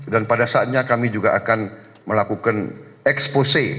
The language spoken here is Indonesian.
dan pada saatnya kami juga akan melakukan expose